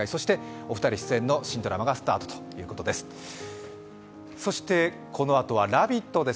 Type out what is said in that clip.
お二人出演の新ドラマがスタートということです。